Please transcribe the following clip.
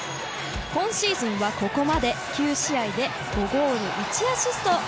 今シーズンはここまで９試合で５ゴール１アシスト。